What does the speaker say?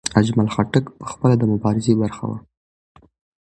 اجمل خټک پخپله د مبارزې برخه و.